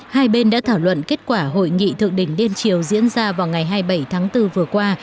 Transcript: hai bên đã thảo luận kết quả hội nghị thượng đình đêm chiều diễn ra vào ngày hai mươi bảy tháng bốn vừa qua